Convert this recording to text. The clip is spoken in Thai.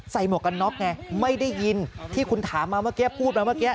หมวกกันน็อกไงไม่ได้ยินที่คุณถามมาเมื่อกี้พูดมาเมื่อกี้